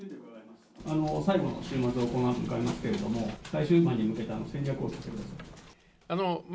最後の週末を迎えますけれども、最終盤に向けた戦略をお聞かせください。